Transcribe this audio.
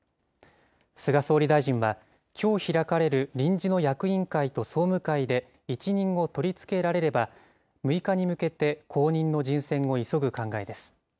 菅総理大臣は、きょう開かれる臨時の役員会と総務会で一任を取り付けられれば、６日に向けて、後任の人選を急ぐ考えです。